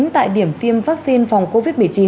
tại điểm tiêm vắc xin phòng covid một mươi chín